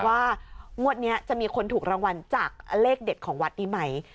ว่างวดนี้จะมีคนถูกรางวัลจากเลขเด็ดของวัดนี้ไหม